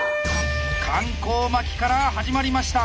環行巻きから始まりました。